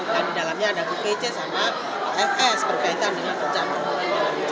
dan di dalamnya ada bkc sama fs berkaitan dengan perencanaan penguruhan